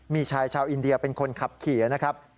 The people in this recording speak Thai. มีชายชาวอินเดียเป็นคนขับขี่นะครับ